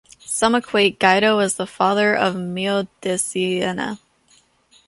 Some equate Guido as the father of Meo di Siena.